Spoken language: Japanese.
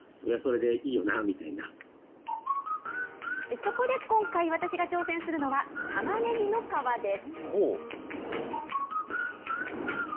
そこで今回、私が挑戦するのは、タマネギの皮です。